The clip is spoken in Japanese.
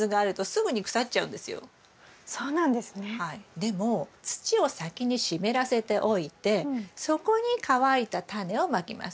でも土を先に湿らせておいてそこに乾いたタネをまきます。